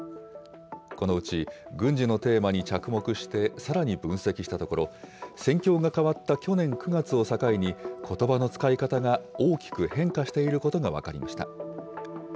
このうち、軍事のテーマに着目してさらに分析したところ、戦況が変わった去年９月を境に、ことばの使い方が大きく変化していることが分かりました。